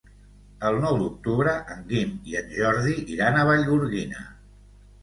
El nou d'octubre en Guim i en Jordi iran a Vallgorguina.